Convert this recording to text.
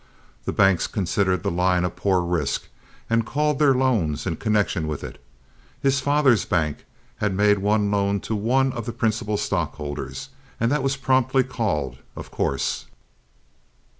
The banks considered the line a poor risk, and called their loans in connection with it. His father's bank had made one loan to one of the principal stockholders, and that was promptly called, of course.